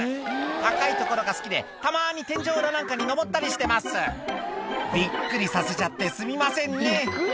「高い所が好きでたまに天井裏なんかに登ったりしてます」「びっくりさせちゃってすみませんね」